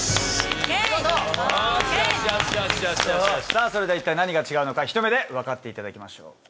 さぁそれでは一体何が違うのかひと目で分かっていただきましょう。